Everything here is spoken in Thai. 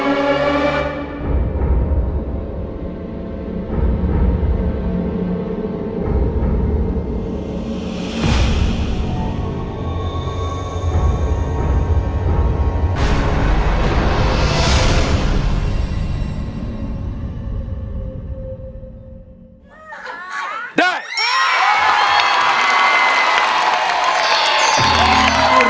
มีมูลค่าสี่หมื่นบาท